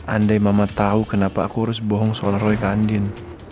andai mama tau kenapa aku harus bohong soal roy ke andin